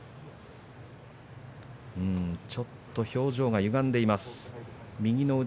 ちょっと表情がゆがんでいます御嶽海。